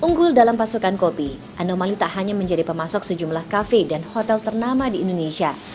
unggul dalam pasokan kopi anomali tak hanya menjadi pemasok sejumlah kafe dan hotel ternama di indonesia